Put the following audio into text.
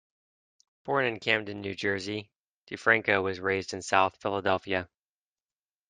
Born in Camden, New Jersey, DeFranco was raised in South Philadelphia.